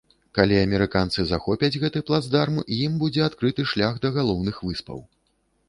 Калі амерыканцы захопяць гэты плацдарм, ім будзе адкрыты шлях да галоўных выспаў.